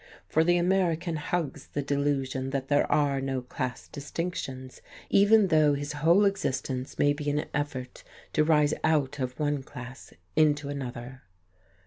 For the American hugs the delusion that there are no class distinctions, even though his whole existence may be an effort to rise out of once class into another.